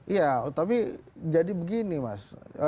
iya tapi jadi begini mas